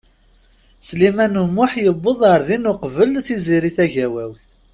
Sliman U Muḥ yewweḍ ar din uqbel Tiziri Tagawawt.